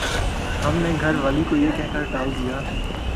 ہم نے گھر والی کو یہ کہہ کر ٹال دیا